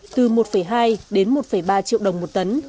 từ một hai đến một ba triệu đồng một tấn